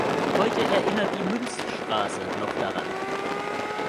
Heute erinnert die "Münzstraße" noch daran.